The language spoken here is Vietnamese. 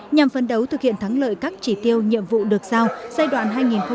nhằm phấn đấu thực hiện thắng lợi các chỉ tiêu nhiệm vụ được giao giai đoạn hai nghìn hai mươi hai nghìn hai mươi năm